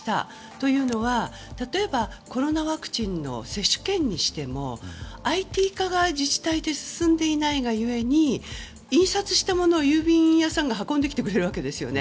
というのは例えばコロナワクチンの接種券にしてもＩＴ化が自治体で進んでいないが故に印刷したものを郵便屋さんが運んできてくれるわけですよね。